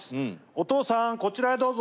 お父さんこちらへどうぞ！